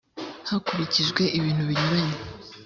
hakurikijwe ibintu binyuranye